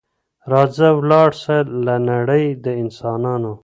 راځه ولاړ سه له نړۍ د انسانانو